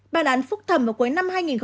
bà đán phục vụ công tác điều tra